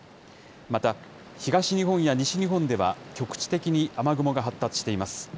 また、東日本や西日本では、局地的に雨雲が発達しています。